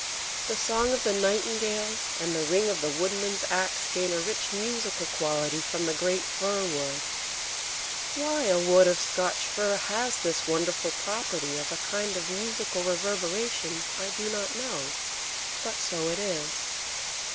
The song of the nightingale and the ring of the woodman's axe gain a rich musical quality from the great fir wood. Why a wood of Scotch fir has this wonderful property of a kind of musical reverberation I do not know; but so it is.